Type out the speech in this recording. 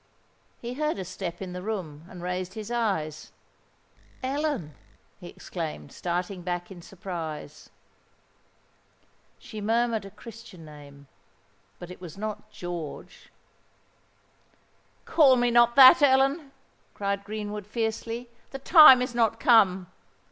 He heard a step in the room, and raised his eyes. "Ellen!" he exclaimed, starting back in surprise. She murmured a Christian name—but it was not George. "Call me not that, Ellen!" cried Greenwood, fiercely: "the time is not come!